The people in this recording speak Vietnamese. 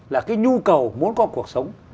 là cái nhu cầu muốn có cuộc sống